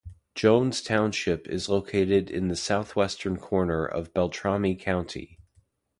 Jones Township is located in the southwestern corner of Beltrami County.